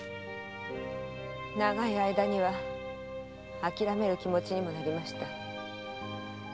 長い間には諦める気持ちにもなりました。